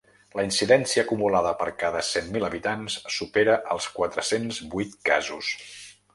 La incidència acumulada per cada cent mil habitants supera els quatre-cents vuit casos.